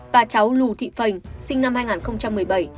bà cháu lù thị phần sinh năm hai nghìn một mươi bảy